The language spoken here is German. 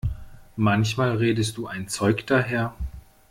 Manchmal redest du ein Zeug daher!